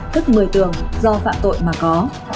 tức một mươi tường do phạm tội mà có